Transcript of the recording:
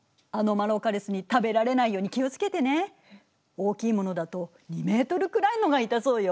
大きいものだと２ｍくらいのがいたそうよ。